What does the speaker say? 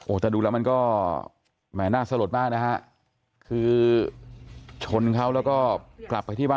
แต่ดูแล้วมันก็แหมน่าสลดมากนะฮะคือชนเขาแล้วก็กลับไปที่บ้าน